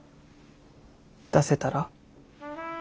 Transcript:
出せたら？